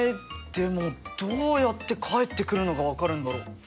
でもどうやって帰ってくるのが分かるんだろ？